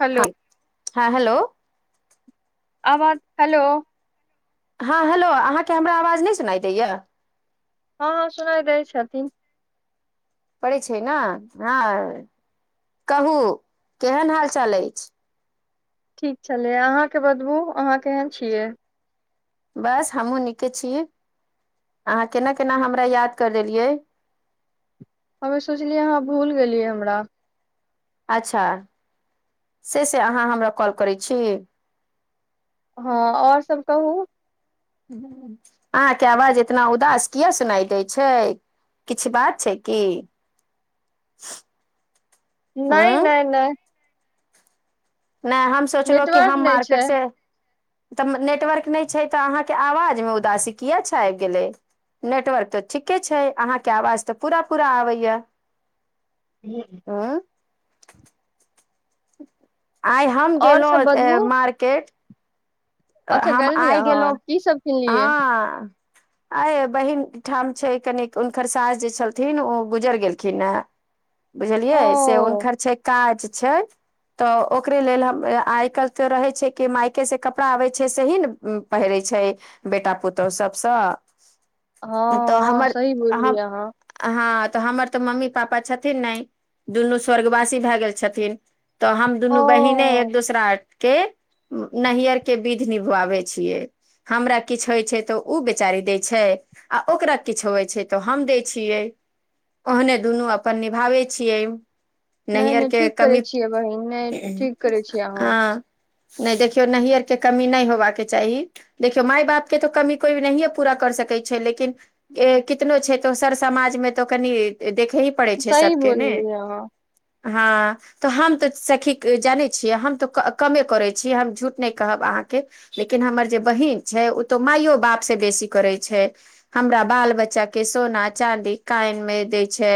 Hello. हँ हँ hello. आवाज हेलो। हँ हेलो अहाँके हमरा आवाज नहि सुना द यए। हँ हँ सुना दै छै। पड़ै छै ने हँ कहू केहन हाल चाल अछि। ठीक छलै अहाँके बदबू अहाँ केहन छियै। बस हमहूँ नीके छी अहाँ केना केना हमरा याद करि देलियै। हमे सोचलियै अहाँ भूल गेलियै हमरा। अच्छा से से अहाँ हमरा कॉल करै छी। हँ आओर सभ कहू। अहाँके आवाज इतना उदास किया सुनाई देै छै किछु बात छै की। नहि हूँ नहि नहि। नहि हम सोचलो कि नेटवर्क हम नहि मार्केट छै से। तऽ नेटवर्क नहि छै तऽ अहाँके आवाजमे उदासी किएक छै आबि गेलै नेटवर्क तऽ ठीके छै अहाँके आवाज तऽ पूरा पूरा आबैए। हूँ। [unintelligible] अचछा आइ हम और सब गेलहुं बतबू मार्केट। अच्छा हम गेलबी आइ अहाँ गेलहु की सब किनलियै हँ। आइ बहिन ठाम छै कनि, हुनकर सास जे छलथिन ओ गुजर गेलखिने। बुझलियै से ओ हुनकर छै काज छै, त ओकरे लेल हम, आइ काल्हि त रहै छै कि मायके से कप ड़ा आबै छै सेही ने पहिरै छै बेटा पुतहु सबसं। हँ हँ सही बोललियै अहाँ। हँ तऽ हमर तऽ मम्मी पापा छथिन नहि दुनू स्वर्गवासी भए गेल छथिन। तऽ हम दुनू बहिने ओ एक दूसरा। के? नैहर। के विध निभाबै छियै। हमरा किछु होइ छै त ओ बेचारी दै छै आ ओकरा किछु होइ छै त हम दै छियै, ओहने दुनु अपन निभाबै छियै। नै नैहर नै के ठीक करै कमी छियै बहिन, नै ठीक करै छियै अहां। नै देखियौ नैहर के कमी नहि होबाक चाही, देखियौ माय बाप के त कमी कोइ नहिेये पुरा कर सकै छै लेकिन कितनो छै त सर समाजमे त कनि देख सही बोललियै अहां। हां, त हम त सखी जानै छियै हम त कमे करै छियै, हम झुठ नै कहब अहांके, लेकिन हमर जे बहिन छै ओ त माइयो बाप से बेसी करै छै, हमरा बाल बच्चा के सोना चाँदी कान मे दै छै।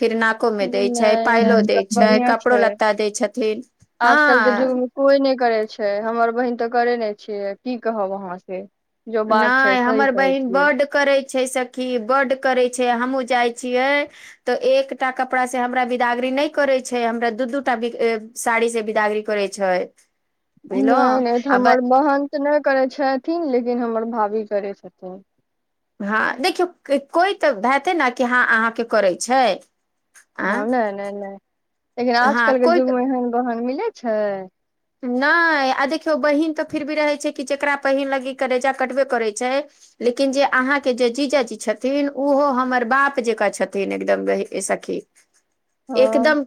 फिर नाको में दै छै, नहि पायलो नहि दै तऽ छै, बढ़िया कपड़ो छै लत्ता दै छथिन, आजकल के युग हां। मे कोई नहि करे छै, हमर बहिन त करै नै छियै की कहब अहांके। नै हमर बहिन बड्ड करै छै सखी, बड्ड करै छै, हमहुं जाइ छियै त एकटा कपड़ा से हमरा बिदागरी नै करै छै, हमरा दु-दुटा साड़ी से बिदागरी करै छै। बुझलौ नै नै त आ ब हमर बहन के नै करै छथिन लेकिन हमर भाभी करै छथिन। हां, देखियौ कोइ त हेतै ने कि हां अहांके करै छै। हां, आँ नै नै नै, लेकिन हँ आजकल के युग मे एहन बहन मिल नै छै। नै आ देखियौ बहिन त फिर भी रहै छै कि जकरा पहिल लगी करै छै आ कटबे करै छै लेकिन, जे अहांके जे जीजाजी छथिन ओहो हमर बाप जेकां छथिन एकदम, सखी। हँ एकदम,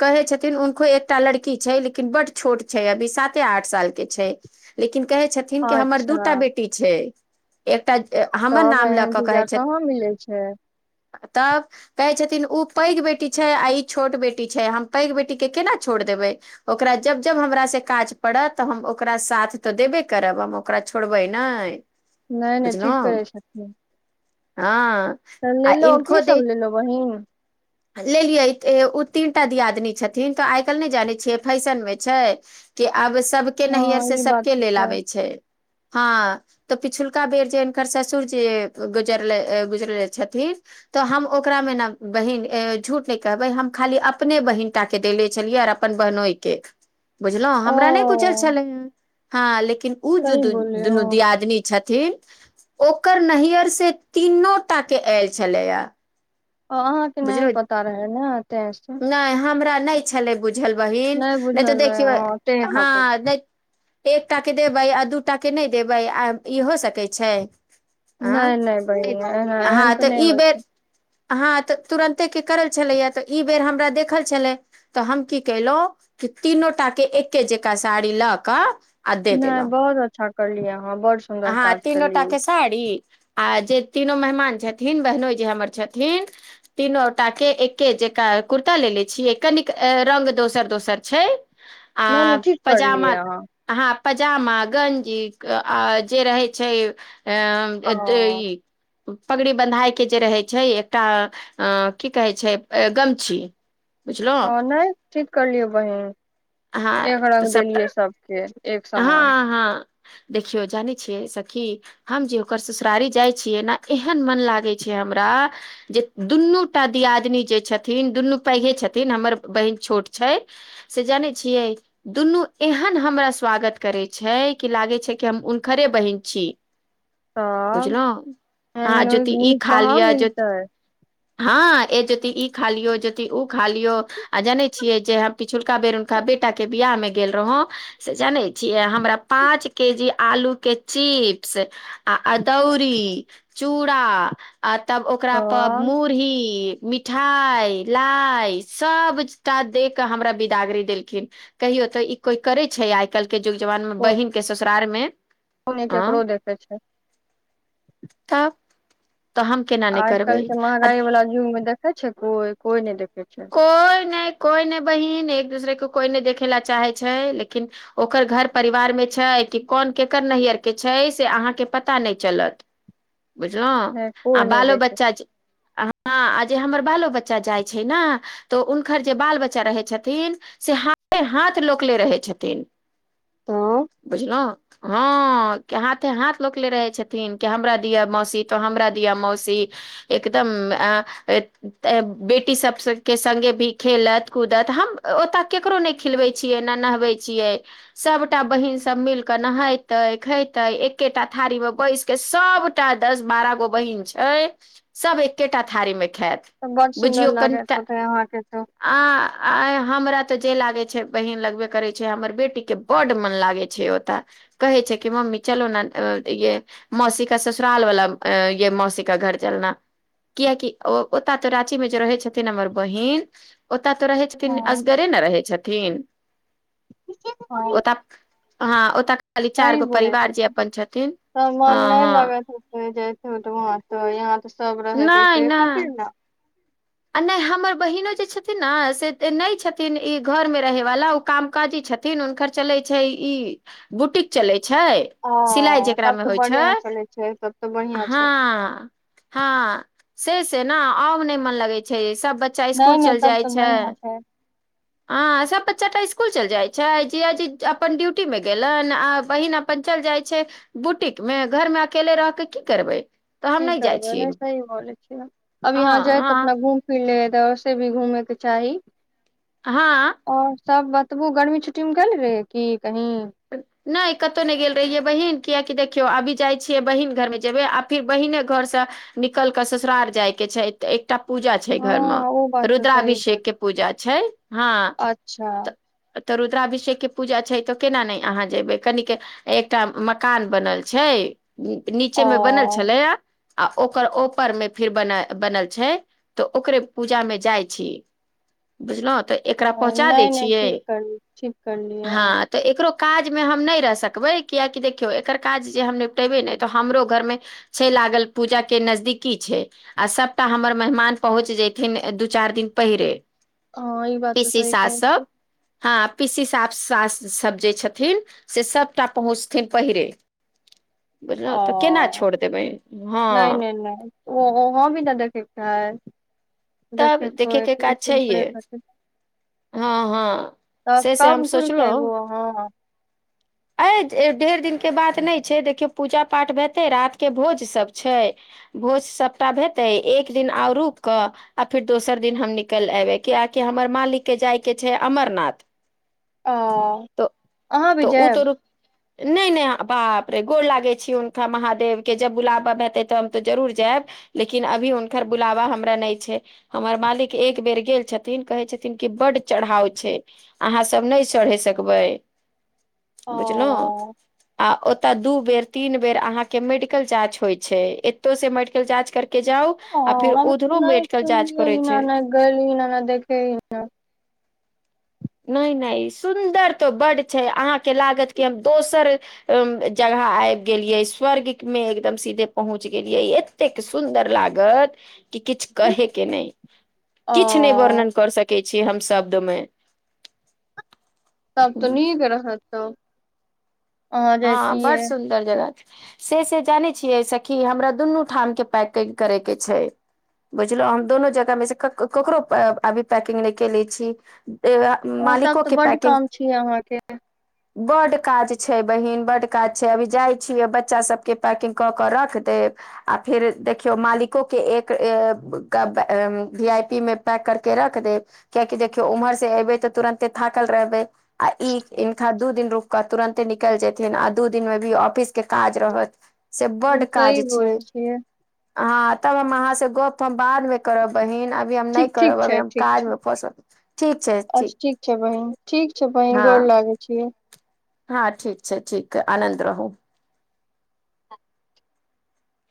कहै छथिन कोई एकटा लड़की छै लेकिन बड छोट छै, अभी साते आठ साल के छै लेकिन कहै छथिन कि हमर अच्छा दुटा बेटी छै। एकटा हमर तब नाम ल एहन क कहै जीजा छथिन, कहाँ मिलै छै तब कहै छथिन थिन ओ पैघ बेटी छै आ ई छोट बेटी छै हम पैघ बेटी के केना छोड़ देबै, ओकरा जब जब हमरा से काज पड़त त हम ओकरा साथ त देबे करब, हम ओकरा छोड़बै नै नै नै ठीक करै छथिन, हँ त आ लेलहुं, इनको कि दे सब लेलहुं बहिन। लेलियै, ओ तीन टा दियादनी छथिन त आइ काल्हि नहि जानै छियै, फैशन मे छै कि आब सबके हँ नैहर से ई बात सबके तऽ लेल आबै छै। हां त पिछुलका बेर जे हिनकर ससुरजी गुजरले गुजरले छथिन त हम ओकरा मे ने बहिन झूठ नहि कहबै हम खाली अपने बहिन टा के देले छलियै आर अपन बहनोइ के। बुझलहुँ ओ हमरा नहि बुछल छलै। हँ लेकिन लेकिन, ओ जू सही द बोलली हँ दुनु दियादनी छथि ओकर नैयर से तीनो टा के आयल छलैया। ओ अहाँके नहि बुझलहु पता रहे ने। तें से नहि हमरा नहि छलै बुझ झल बहिन नहि तऽ बुझल रहे देखयो हँ ओतेहे हँ खातिर नहि। एकटा के देबै आ दू टा के नहि देबै? आ ई हो सकै छै? नहि आँ नहि बहिन एना एहन हँ तऽ नहि ई होइ बेर छै। हँ तऽ तुरन्ते के करल छलैया? तऽ ई बेर हमरा देखल छलै तऽ हम की केलहु कि तीनो टा के एके जकाँ साड़ी लऽ कऽ आ दे नहि देलहुँ बहुत अच्छा करलिय। हँ तीनोटा के साड़ी आ जे तीनो मेहमान छथिन। बहिनोय जे हमर छथिन तीनो गोटा के एके जका कुर्ता लेे छियै, कनिक रंग दोसर दोसर छै। आ नहि नहि ठीक करलियै पजामा अहाँ ह पजामा, गंजीक आ जे रहै छै आ एत ओ ई पगड़ी बन्धाायके जे रहै छै एकटा अ की कहै छै? गमछी! बुझलहु हँ नहि ठीक करलियै बहिन। हँ एक तऽ रंग सबटा देलियै सभके। हँ हँ देखियौ जानै छियै सखी हम जे ओकर ससुरारी जाइ छियै ने एहन मन लागै छै हमरा जे दुनू टा दियादिननी जे छथिन दुनू पैघे छथिन हमर बहिन छोट छै से जानै छियै दुनू एहन हमरा स्वागत करै छै कि लागे छै कि हम हुनकरे बहिन छी। तब बुझलहुँ एहन अहाँ ज्योति ननदनी ई खा कहाँ लिअ ज्योति मिलतै? हँ ए जोति ई खा लियौ जोति ओ खा लियो आ जानै छियै जे अभी छोटका बेरु उनका बेटा के बियाह में गेल रहौं। से जनै छियै? हमरा पाँच के जी आलू के चिप्स आ अदौरी, चूड़ा आ तब ओकरा पर तब मुरही मिठाई, लाइ सबटा दे के हमरा बिदागरी देलखिन। कहियो ते ई कोई करे? छै आइ काल्। [unintelligible] युग जवान मे बहिन के सस। ससारमे। [unintelligible] ओ नहि ककरो देखै छै। तब। [unintelligible] केना नहि आजकल जे करबै महगाई वालला युग मे देख। कै छै कोइ। [unintelligible] [unintelligible] कोइ नहि। कोई नहि बहिन एक दूसरे के कोई नहि देखे ला चाहे छै लेकिन ओकर घर परिवार मे छै कि कोन केकर नैहर के छै से अहाँके पता नहि चलत। [unintelligible] बुझलहु नहि आ कोई नहि बालो देखे बच्चा छै। [unintelligible] हँ -आ जे हमर बालो बच्चा जाय। [unintelligible] छै ने तऽ हुनकर जे बाल बच्चा रहै छथिन से हाथे- हाथ लोकले रहै छथिन। [unintelligible] तो [unintelligible] बुझलहु। हँ हाथे हाथ लोकले रहे छथिन कि हमरा दििया मौसी तो हमरा दअ मौसी एकदम- बेी। [unintelligible] कटी सब के संगगे भी खेलत कूदत हम ओता केकरो ने खिलवे छिये न नहबे छिये सबटा बहिन सब मिल के नहेते खेते एकेटा थारी में बैस के सबटा दस बारह गो बहिीन छै सब एकेटा थारी में। खेत बड [unintelligible] सुन्दर बुझियौ। लागैत कनिटा [unintelligible] होते अहाँके तो -आर हमरा। जे लागे छै बहिन लगबे करे छै हमर बेटी के बड मन लागे छै ओता कहे छै कि मम्मी चलो ने ये मौसी का ससुराल वाला ये- मौसीा घर जलना कियकि ओता तो राची मे जे रहे छै। नर बहिन ओ। [unintelligible] तऽ रहै छथिन ह असगरे नहि रहै छथिन। [unintelligible] तीन। [unintelligible] [unintelligible] हँ ओतऽ हँ ओतऽ खाली चारि सही गो बोलै छै परिवार जे अपन छथिन हँ- हँ। त वहाँ त यहाँ। [unintelligible] सब रहेत नहि त नहि खातिर ने। [unintelligible] आ नहि हमर बहिनो जे छथिन ने से नहि छथिन ई घरमे रहैवाला ओ काम काजी छथिन हुनकर चलैत छै ई -बुटीक चलैत छै। छै सिलाइ ओ तब जेकरामे तऽ होइ छै बढ़िया चलै छै तब तऽ [unintelligible] बढ़िया छै हँ -हँ। से- से ने आब नहि मन लगे छै। छै सब। [unintelligible] बच्चा स्कूल नहि चल नहि तब जाइ तऽ छै बढ़िया [unintelligible] आ सब बच्चा। इकुल चल जाइ छै जयाजी अपन ड्यूटी मे गेलनि आ बहिन अपन चल जाइ छै बुटीक मे घर मे अकेले रहके की करबे। [unintelligible] की करबै ने सही बोलै छियै अब हँ यहाँ जाय त हँ अपना घूम। [unintelligible] फ त से भी घूमैके चाही। [unintelligible] हँ। [unintelligible] और सब बतबू गर्मी छुट्टी मे गेल रहे की। [unintelligible] नहि कतहु नहि गेल रहियै बहिन। किआकि देखियो अभी जाय छियै बहिन घर मे जेबे आ फिर बहिने घर से निकल क ससुरार जाय के छै त एकटा पूजा छै हँ घर मे ओ बात तऽ सही रुद्राभिषेक बोल के पूजा छै। हँ अच्छा तऽ त रुद्राभिषेक के पूजा छै तऽ। केना नहि अहाँ जेयबै? कनिक एकटा मकान बनल छै। नीचे ओ मे बनल छलैया। आ ओकर ओपर मे फिर बन बनल छै। तऽ ओकरे पूजा मे जाइ छी बुझलहु। नहि नहि ठीक कर ठीक कर लियए अ हँ तऽ एकरो काज मे हम नहि रह सकबै कियकि देखियौ एकर काज जे हम निपटेबे ने तऽ हमरो घर मे छै लागल पूजा के नजदीकी छै आ सबटा हमर मेहमान पहुँच जयथिन दू चारि दिन पहिरे। हँ ई बात तऽ पीसी सही सास कहै छी। सब हँ पीसी साफ सास से सभ जे छथिन से सभटा पहुँचथिन पहिरे। बुझलहु तऽ केना ओ छोड़ देबै नहि हँ नहि नहि ओहो हमही देने ठीक है। तब देखैके काज छैहे? प्लेट हेतै हँ हँ तऽ से से हम कब घुर के एबौ सोचलहुँ अहाँ अइ ढेर दिन के बात नहि छै देखियौ पूजा पाठ हेतै रात के भोज सब छै भोज सबटा भेतै एक दिन आ रुक कऽ आ फिर दोसर दिन हम निकल एबे किआकि हमर मालिक के जाय के छै अमरनाथ। ओ तऽ अहाँ भी तऽ ओ तो जायब? रुक नहि नहि बाप रे गोर लागे छी हुनका महादेव के जब बुलाबा हेते तऽ हम तऽ जरूर जायब लेकिन अभी हुनकर बुलाबा हमरा नहि छै हमर मालिक एक बेर गेल छथिन कहे छथिन कि बड चढ़ाव छै अहााँ सब नहि चढ़े सक बै। ओ बुझलहुँ आ ओ त दू बेर तीन बेर अहा के मेडिकल जांच होय छै। एतो से मेडिकल जांच कर ह हम नहि जाँच सुनली करै छै एहिना गैली रहे देखैला। नहि नहि सुन्दर तऽ बड्ड छै। अहाँके लागत कि हम दोसर जगह आबि गेलियै। स्वर्गमे एकदम सीधे पहुँच गेलियै एतेक सुन्दर लागत कि किछु कहे के नहि। किछु नहि ओ वर्णन कर सकै छी। छी हम शब्द मे। तब तऽ निक रहत तब अहाँ हँ बड़ जैतियै सुन्दर जगह छै। से से जानै छियै सखी? हमरा दुनू ठाम के पैकिंग करे के छै बुझलहु हम दुनू जगह मे से ककरो अभी पैकिंग नहि केेले छी। ए, ह तब मालिको तऽ के बड्ड पैकिंग काम छीय अहाँके। बड काज छै। बहिन बड काज छै अभी जाइ छियै बच्चा सबके पैकिंग कऽ के रख देब आ फेर देखियौ मालिको के एक भी आई पी मे पैक करके रख देब कियकि देखियौ उम्हर से एबै तऽ तुरंते थाकल रहबै? आ ई इनका दू दिन रूक क तुरन्ते निक कल जेथिन आ दू दिन मे भी ऑफिस के काज रहत। से बड हम्म, काज सही छै बोलै छियै अहाँ। तब हम अहाँ से गप हम बाद मे करब बहिन। अभी हम नहि ठीक ठीक करब अभी छै हम ठीक काज छै मे फोसब ठीक छै अच्छा ठीक। छै बहिन ठीक छै बहिन गोर हँ लागे छी। हँ ठीक छै ठीक छै आनन्द रहू।